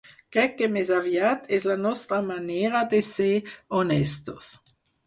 Crec que, més aviat, és la nostra manera de ser honestos.